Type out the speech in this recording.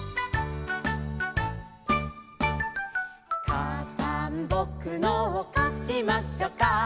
「かあさんぼくのをかしましょか」